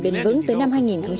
bền vững tới năm hai nghìn ba mươi